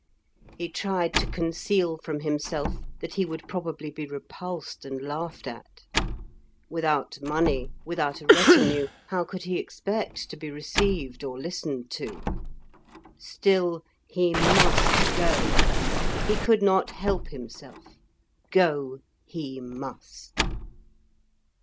He tried to conceal from himself that he would probably be repulsed and laughed at. Without money, without a retinue, how could he expect to be received or listened to? Still, he must go; he could not help himself, go he must.